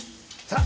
さあ。